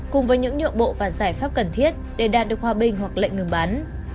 cùng với những nhượng bộ và giải pháp cần thiết để đạt được hòa bình hoặc lệnh ngừng bắn